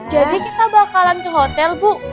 jadi kita bakalan ke hotel bu